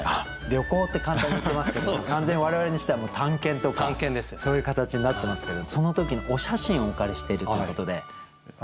「旅行」って簡単に言ってますけど完全我々にしてはもう探検とかそういう形になってますけどもその時のお写真をお借りしているということで。